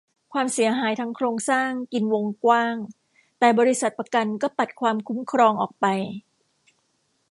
ความเสียหายทางโครงสร้างกินวงกว้าง แต่บริษัทประกันก็ปัดความคุ้มครองออกไป